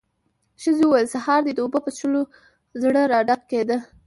ښځې وويل: سهار دې د اوبو په څښلو زړه راډکېده.